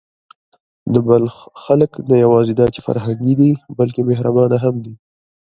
د بلخ خلک نه یواځې دا چې فرهنګي دي، بلکې مهربانه هم دي.